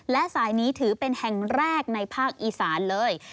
และสายนี้ถือเป็นแห่งแรกในภาคอีสานเลย